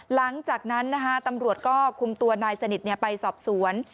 หลังจากนั้นตำรวจก็คุมตัวนายสนิทไปสอบสวน